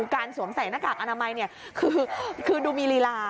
สวมใส่หน้ากากอนามัยคือดูมีลีลา